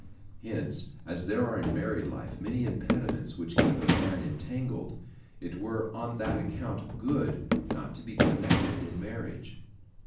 Hence, as there are in married life many impediments which keep a man en tangled, it were on that account good not to be connected in marriage.